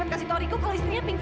banda itu mudah